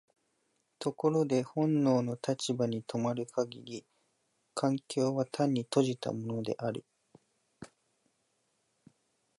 ところで本能の立場に止まる限り環境は単に閉じたものである。